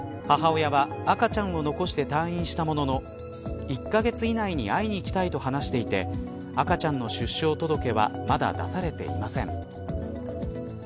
母親は、赤ちゃんを残して退院したものの１カ月以内に会いに行きたいと話していて赤ちゃんの出生届はまだ出されていません。